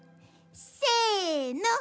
せの。